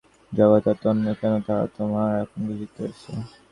জগতে এত অন্যায় কেন, তাহা তোমরা এখন বুঝিতেছ।